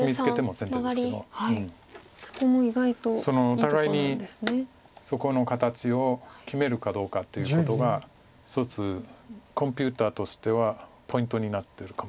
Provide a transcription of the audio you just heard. お互いにそこの形を決めるかどうかっていうことが一つコンピューターとしてはポイントになってるかもしれませんけど。